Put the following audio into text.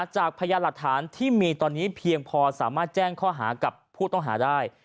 จากพยานหลักฐานที่มีตอนนี้เพียงพอสามารถแจ้งข้อหากับผู้ต้องหาได้